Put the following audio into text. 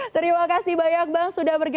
terima kasih banyak bang sudah bergabung